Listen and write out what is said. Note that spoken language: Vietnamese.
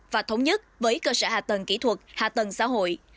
và thống nhất với cơ sở hạ tầng kỹ thuật hạ tầng xã hội